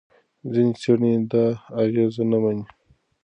ځینې څېړنې دا اغېز نه مني.